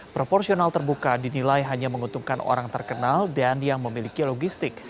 proporsional terbuka dinilai hanya menguntungkan orang terkenal dan yang memiliki logistik